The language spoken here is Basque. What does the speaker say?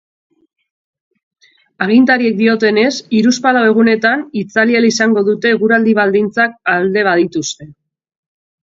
Agintariek diotenez, hiruzpalau egunetan itzali ahal izango dute, eguraldi-baldintzak alde badituzte.